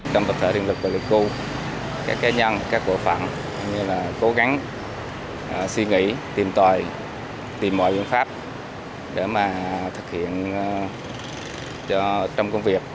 trong vật thể điện lực lây cu các cá nhân các cổ phận cũng như là cố gắng suy nghĩ tìm tòi tìm mọi biện pháp để mà thực hiện trong công việc